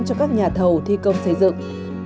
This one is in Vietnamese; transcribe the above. cho các nhà thầu thi công xây dựng